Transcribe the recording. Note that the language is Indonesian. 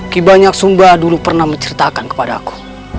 ki banyak sumba dulu pernah menceritakan kepada aku